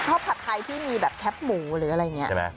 ผัดไทยที่มีแบบแคปหมูหรืออะไรอย่างนี้